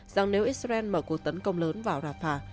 rằng nếu israel mở cuộc tấn công lớn vào rafah